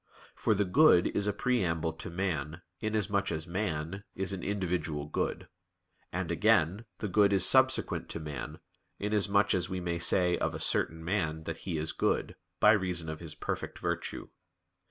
For the good is a preamble to man, inasmuch as man is an individual good; and, again, the good is subsequent to man, inasmuch as we may say of a certain man that he is good, by reason of his perfect virtue.